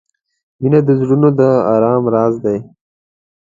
• مینه د زړونو د آرام راز دی.